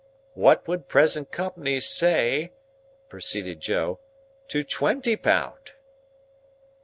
"What would present company say," proceeded Joe, "to twenty pound?"